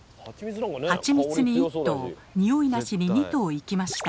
「ハチミツ」に１頭「におい無し」に２頭行きましたが。